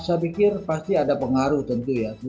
eh xia pikir pasti ada pengaruh tentu ya